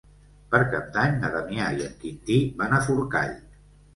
Per Cap d'Any na Damià i en Quintí van a Forcall.